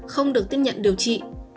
không được tiếp nhận điều trị